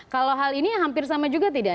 kalau hal ini hampir sama juga tidak